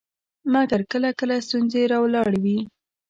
مګر کله کله ستونزې راولاړوي.